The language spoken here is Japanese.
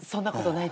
ない？